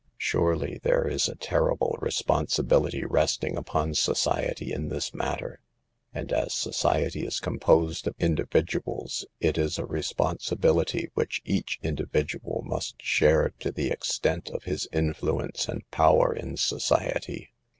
Surely, there is a terrible responsibility resting upon society in this matter, and as society is composed of individuals, it is a re sponsibility which each individual must share to the extent of his influence and power in society.